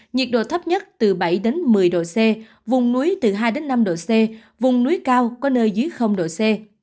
nhiệt độ thấp nhất từ bảy một mươi độ c vùng núi từ hai năm độ c vùng núi cao có nơi dưới độ c